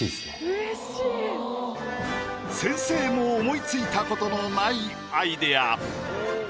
先生も思いついたことのないアイディア。